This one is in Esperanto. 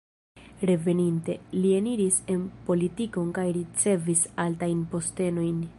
Reveninte, li eniris en politikon kaj ricevis altajn postenojn.